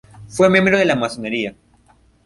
Fue miembro de la masonería.